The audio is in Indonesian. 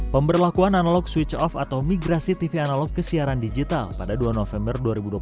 pemberlakuan analog switch off atau migrasi tv analog ke siaran digital pada dua november dua ribu dua puluh